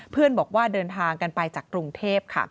เพื่อนบอกว่าเดินทางกันไปจากกรุงเทพฯ